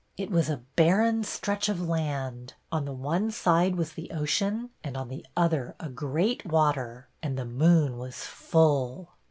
" It was a barren stretch of land ; on the one side was the ocean and on the other a great water; and the moon was full."